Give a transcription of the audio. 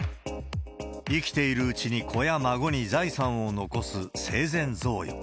生きているうちに子や孫に財産を残す生前贈与。